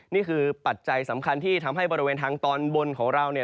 ปัจจัยสำคัญที่ทำให้บริเวณทางตอนบนของเรา